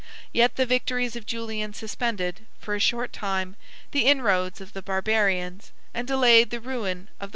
Yet the victories of Julian suspended, for a short time, the inroads of the Barbarians, and delayed the ruin of the Western Empire.